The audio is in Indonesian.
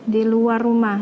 di luar rumah